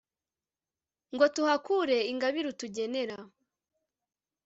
ngo tuhakure ingabire utugenera